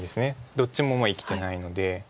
どっちも生きてないので。